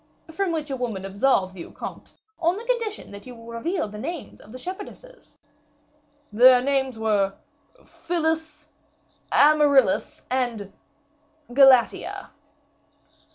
"From which a woman absolves you, comte, on the condition that you will reveal the names of the shepherdesses." "Their names were Phyllis, Amaryllis, and Galatea."